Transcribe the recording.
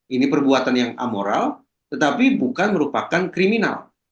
ini perbuatan yang amoral tetapi bukan merupakan kriminal